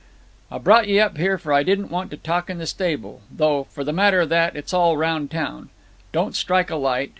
"I brought ye up here, for I didn't want to talk in the stable; though, for the matter of that, it's all round town. Don't strike a light.